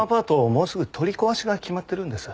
もうすぐ取り壊しが決まってるんです。